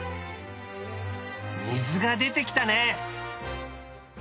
水が出てきたね。